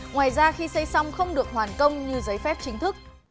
ngoài ra khi xây xong không được hoàn công như giấy phép chính thức